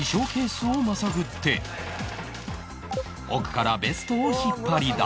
奥からベストを引っ張り出す